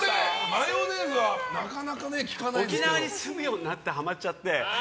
マヨネーズは沖縄に住むようになってからハマっちゃって。